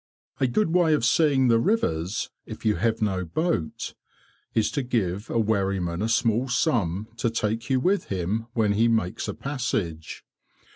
A good way of seeing the rivers, if you have no boat, is to give a wherryman a small sum to take you with him when he makes a passage.